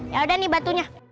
yaudah nih batunya